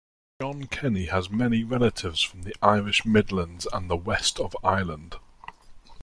Jon Kenny has many relatives from The Irish Midlands and the West of Ireland.